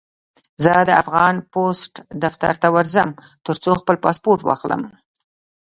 زه د افغان پوسټ دفتر ته ورځم، ترڅو خپل پاسپورټ واخلم.